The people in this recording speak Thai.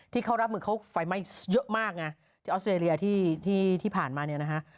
ที่เขารับมือเขาไฟไหม้เยอะมากไงที่ออสเตรเลียที่ผ่านมาเนี่ยนะฮะ